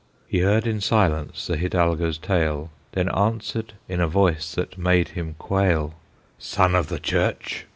He heard in silence the Hidalgo's tale, Then answered in a voice that made him quail: "Son of the Church!